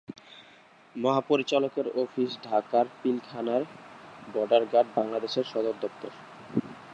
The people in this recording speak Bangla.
মহাপরিচালকের অফিস ঢাকার পিলখানায় বর্ডার গার্ড বাংলাদেশর সদর দপ্তর।